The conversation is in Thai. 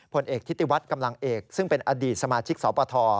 ผลเอกทิติวัฒน์กำลังเอกซึ่งเป็นอดีตสมาชิกสปท